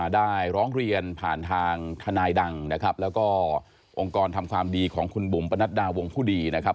ได้ร้องเรียนผ่านทางทนายดังนะครับแล้วก็องค์กรทำความดีของคุณบุ๋มปนัดดาวงผู้ดีนะครับ